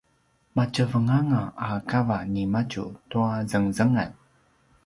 matjevenganga a kava nimadju tua zengzengan